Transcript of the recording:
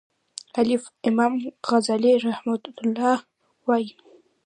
الف : امام غزالی رحمه الله وایی